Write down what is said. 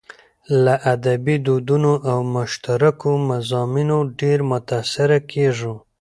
له ادبي دودونو او مشترکو مضامينو ډېر متاثره کېږو.